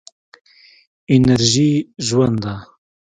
انرژي ژوند ده.